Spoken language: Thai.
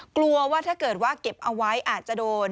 กลัวว่าถ้าเกิดว่าเก็บเอาไว้อาจจะโดน